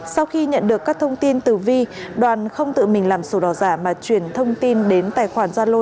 sau khi nhận được các thông tin từ vi đoàn không tự mình làm sổ đỏ giả mà truyền thông tin đến tài khoản gia lô